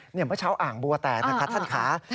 เมื่อเช้าอ่างบัวแตกนะคะท่านค่ะ